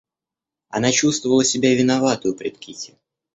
Она чувствовала себя виноватою пред Кити.